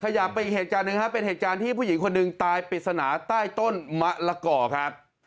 ขยับไปอีกเหตุการณ์หนึ่งครับเป็นเหตุการณ์ที่ผู้หญิงคนหนึ่งตายปริศนาใต้ต้นมะละก่อครับ